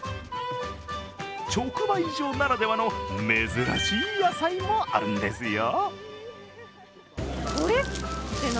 直売所ならではの珍しい野菜もあるんですよ。